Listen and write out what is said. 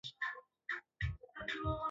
Kuchamba kwingi, kuondoka na mavi